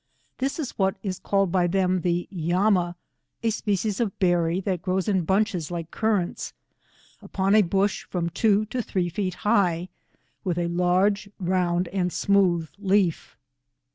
This is what is called by them the Yama^ a i^pecies of berry that grows in bunches like currants, upon a bush from two to three feet high, with a la rge^ round and smooth leaf.